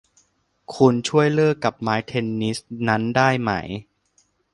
คุณช่วยเลิกกับไม้เทนนิสนั้นได้ไหม !